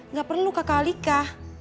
gak perlu kakak alika